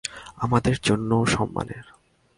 আমাদের জন্যও সম্মানের।